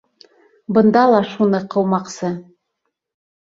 Бында ла шуны ҡыумаҡсы.